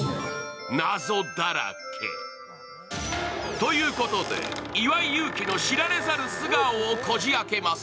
ということで、岩井勇気の知られざる素顔をこじ開けます。